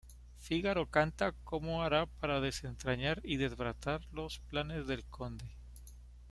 Fígaro canta cómo hará para desentrañar y desbaratar los planes del Conde.